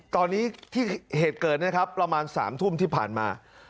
ตอนนี้ที่เหตุเกิดนะครับประมาณ๓ทุ่มที่ผ่านมา